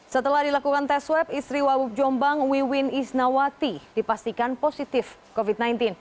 setelah dilakukan tes swab istri wabub jombang wiwin isnawati dipastikan positif covid sembilan belas